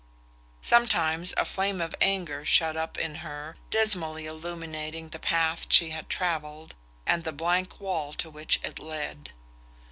Sometimes a flame of anger shot up in her, dismally illuminating the path she had travelled and the blank wall to which it led.